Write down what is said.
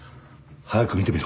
早く見てみろ。